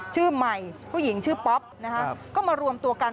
ชื่อใหม่ผู้หญิงชื่อป๊อปนะฮะก็มารวมตัวกัน